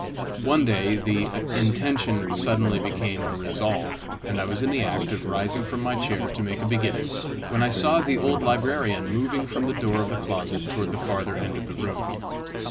One day the intention suddenly became a resolve, and I was in the act of rising from my chair to make a beginning, when I saw the old librarian moving from the door of the closet toward the farther end of the room.